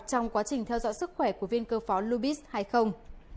trong quá trình theo dõi sức khỏe của viên cơ phó loubis hay không